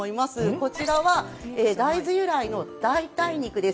こちらは大豆由来の代替肉です。